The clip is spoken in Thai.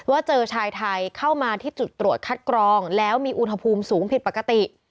เจอชายไทยเข้ามาที่จุดตรวจคัดกรองแล้วมีอุณหภูมิสูงผิดปกติ